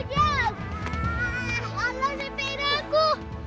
lari ambil aku